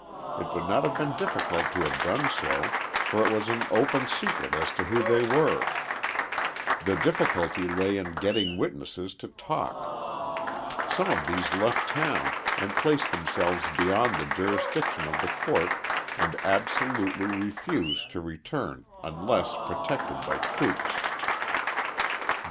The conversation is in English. It would not have been difficult to have done so, for it was an open secret as to who they were. The difficulty lay in getting witnesses to talk. Some of these left town and placed themselves beyond the jurisdiction of the court, and absolutely refused to return unless protected by troops.